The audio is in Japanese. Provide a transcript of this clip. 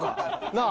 なあ。